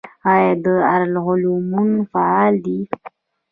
آیا دارالعلومونه فعال دي؟